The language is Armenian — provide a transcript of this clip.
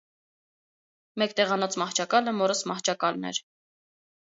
Մեկտեղանոց մահճակալը մորս մահճակալն էր։